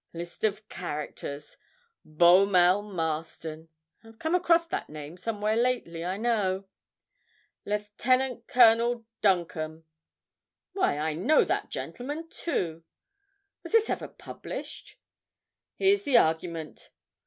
List of characters: Beaumelle Marston; I've come across that name somewhere lately, I know; Lieutenant Colonel Duncombe; why, I know that gentleman, too! Was this ever published? Here's the argument.'